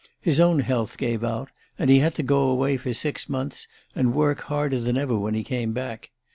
His own health gave out, and he had to go away for six months, and work harder than ever when he came back.